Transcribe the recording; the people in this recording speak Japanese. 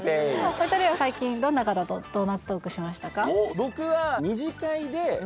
お二人は最近どんな方とドーナツトークしましたか？